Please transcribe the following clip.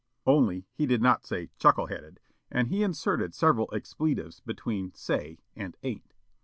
(Only he did not say "chuckle headed," and he inserted several expletives between "say" and "ain't.")